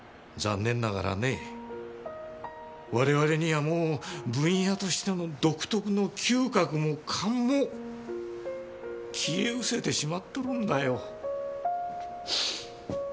我々にはもうブンヤとしての独特の嗅覚も勘も消えうせてしまっとるんだよ。